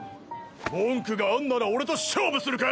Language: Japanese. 文句があんなら俺と勝負するか？